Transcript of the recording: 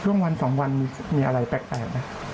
ช่วงวัน๒วันมีอะไรแปลกนะ